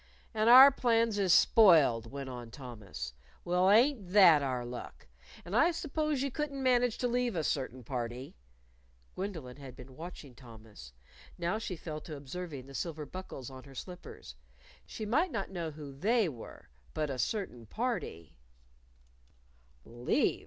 "And our plans is spoiled," went on Thomas. "Well, ain't that our luck! And I suppose you couldn't manage to leave a certain party " Gwendolyn had been watching Thomas. Now she fell to observing the silver buckles on her slippers. She might not know who "They" were. But "a certain party" "Leave?"